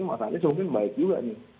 mas anies mungkin baik juga nih